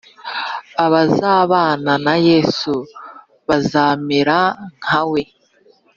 abazabana na yesu bazamera nka we